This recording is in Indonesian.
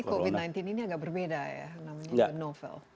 cuma yang ini covid sembilan belas ini agak berbeda ya namanya novel